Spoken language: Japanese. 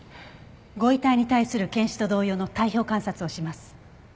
ご遺体に対する検視と同様の体表観察をします。